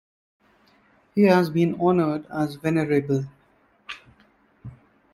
He has been honored as 'Venerable.